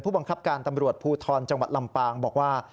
บังคับการตำรวจภูทรจังหวัดลำปางบอกว่า